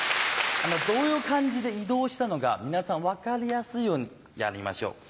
どういう感じで移動したのか皆さん分かりやすいようにやりましょう。